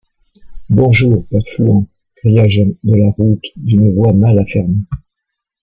Bonjour, père Fouan! cria Jean de la route, d’une voix mal affermie.